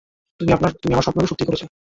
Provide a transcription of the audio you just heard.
তুমি আমার স্বপ্ন কে সত্যি করেছো।